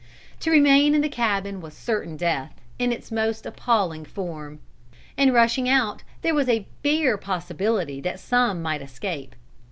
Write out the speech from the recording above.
To remain in the cabin was certain death, in its most appalling form. In rushing out there was a bare possibility that some might escape.